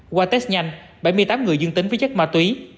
qua test nhanh bảy mươi tám người dương tính với chất ma túy